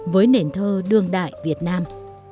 với nền thơ đương đại việt nam